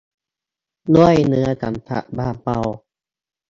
ด้วยเนื้อสัมผัสบางเบา